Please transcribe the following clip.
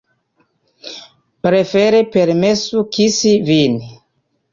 Prefere permesu kisi vin.